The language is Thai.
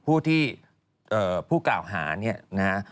ผู้ที่ผู้กล่าวหาเนี่ยนะฮะ